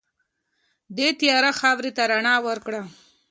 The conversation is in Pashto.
دې تیاره خاورې ته رڼا ورکړه.